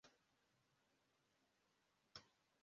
Itsinda ryabantu bakora imirimo yubuhinzi mukarere gakakaye